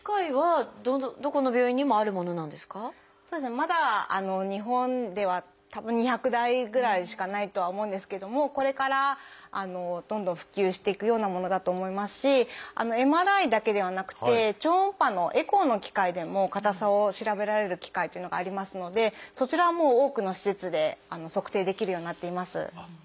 まだ日本ではたぶん２００台ぐらいしかないとは思うんですけどもこれからどんどん普及していくようなものだと思いますしＭＲＩだけではなくて超音波のエコーの機械でも硬さを調べられる機械というのがありますのでそちらはもう多くの施設で測定できるようになっています。